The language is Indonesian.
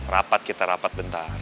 rapat kita rapat bentar